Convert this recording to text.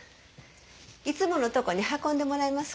いつものとこに運んでもらえますか？